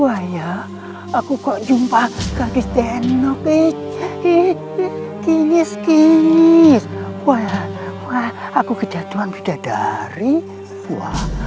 waya aku kok jumpa kaget tenok kejepit kinis kinis waya aku kejatuhan tidak dari buah